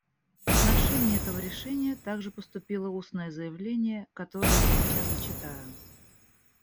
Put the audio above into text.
В отношении этого решения также поступило устное заявление, которое я сейчас зачитаю.